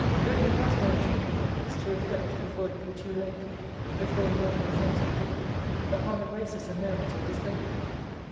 Let me once more entreat thee, Lovelace, to reflect, before it be too late (before the mortal offence be given) upon the graces and merits of this lady.